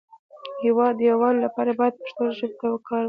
د هیواد د یو والی لپاره باید پښتو ژبې ته کار وشی